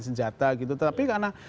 senjata gitu tapi karena